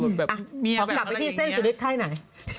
ของหลักพิธีเส้นสุดสฤทธิ์ใครไหน